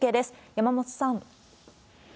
山本さん。